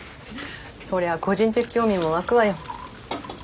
そりゃ個人的興味もわくわよ